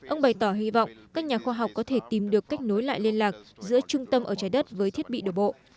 ông bày tỏ hy vọng các nhà khoa học có thể tìm được cách nối lại liên lạc giữa trung tâm ở trái đất với thiết bị đổ bộ